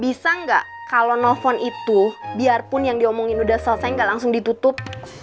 bisa nggak kalau nelfon itu biarpun yang diomongin udah selesai nggak langsung ditutup